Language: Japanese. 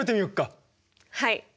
はい！